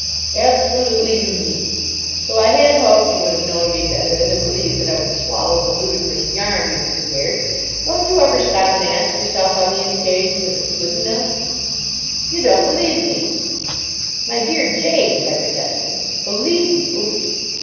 "Absolutely unique. Though I had hoped you would have known me better than to believe that I would swallow the ludicrous yarn you've prepared. Don't you ever stop and ask yourself on these occasions if it's good enough?" "You don't believe me!" "My dear James!" I protested. "Believe you!"